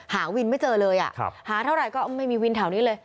หาวินไม่เจอเลยหาเท่าไหร่ก็ไม่มีวินแถวนี้เลย